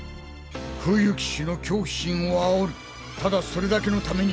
冬木氏の恐怖心を煽るただそれだけのために